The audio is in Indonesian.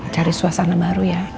cari suasana baru ya